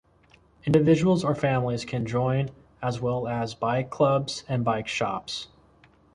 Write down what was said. Individuals or families can join, as well as bike clubs and bike shops.